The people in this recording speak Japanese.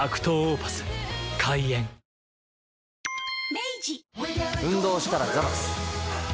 明治運動したらザバス。